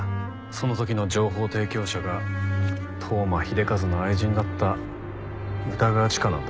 その時の情報提供者が当麻秀和の愛人だった歌川チカなんだろ？